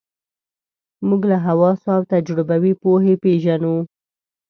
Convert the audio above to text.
موږ له حواسو او تجربوي پوهې پېژنو.